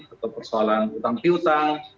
atau persoalan hutang pihutang